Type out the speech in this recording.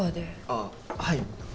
ああはい。